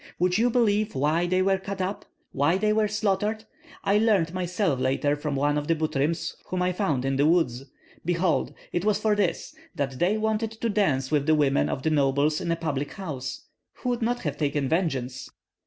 Would you believe why they were cut up, why they were slaughtered? I learned myself later from one of the Butryms, whom I found in the woods. Behold, it was for this, that they wanted to dance with the women of the nobles in a public house! Who would not have taken vengeance?"